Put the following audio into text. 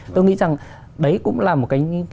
tôi nghĩ rằng đấy cũng là một cái